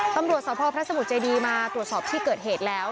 ตำรวจสพพระสมุทรเจดีมาตรวจสอบที่เกิดเหตุแล้ว